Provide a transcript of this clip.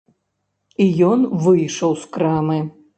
І ён выйшаў з крамы.